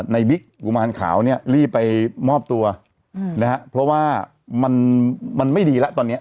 บิ๊กกุมารขาวเนี่ยรีบไปมอบตัวนะฮะเพราะว่ามันไม่ดีแล้วตอนนี้